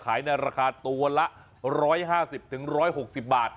ในราคาตัวละ๑๕๐๑๖๐บาท